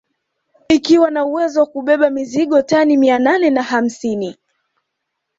Ikiwa na uwezo wa kubeba mizigo tani mia nane na hamsini